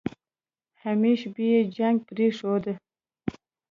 همېش به يې جنګ پرېښوده.